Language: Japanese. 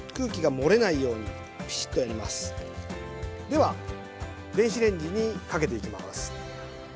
では電子レンジにかけていきます。